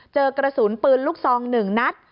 เจอกระสุนปืนลูกซอง๑นัด